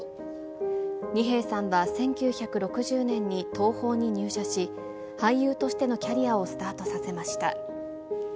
二瓶さんは１９６０年に東宝に入社し、俳優としてのキャリアをスタートさせました。